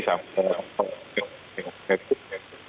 sampai ke penyelenggaraan